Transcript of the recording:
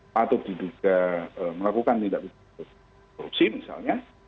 patut diduga melakukan tindak pidana korupsi misalnya